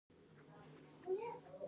ایا لاسونه مو ریږدي؟